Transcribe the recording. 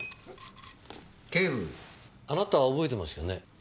警部あなたは覚えてますよね？